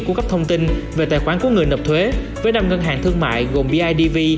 cung cấp thông tin về tài khoản của người nộp thuế với năm ngân hàng thương mại gồm bidv